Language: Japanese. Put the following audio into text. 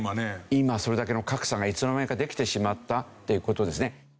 今それだけの格差がいつの間にかできてしまったっていう事ですね。